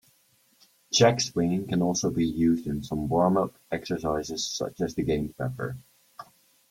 Check-swinging can also be used in some warm-up exercises, such as the game pepper.